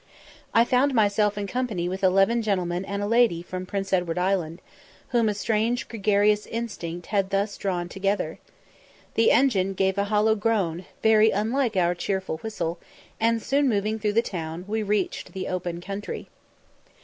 I found myself in company with eleven gentlemen and a lady from Prince Edward Island, whom a strange gregarious instinct had thus drawn together. The engine gave a hollow groan, very unlike our cheerful whistle, and, soon moving through the town, we reached the open country.